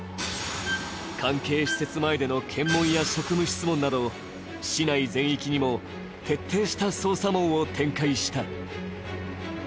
関係施設前での検問や職務質問など市内全域にも徹底した捜査網を展開した。